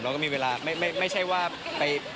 ก็มีเวลาไม่ใช่ว่าไป